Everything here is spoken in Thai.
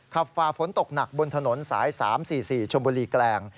ฝ่าฝนตกหนักบนถนนสาย๓๔๔ชมบุรีแกลง